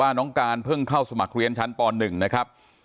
น้องการเพิ่งเข้าสมัครเรียนชั้นป๑นะครับ